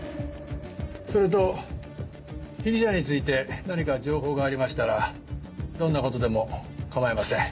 それと被疑者について何か情報がありましたらどんなことでも構いません。